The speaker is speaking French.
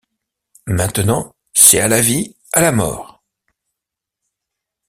Maintenant, c’est à la vie, à la mort!